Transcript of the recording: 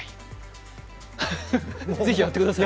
ぜひやってください。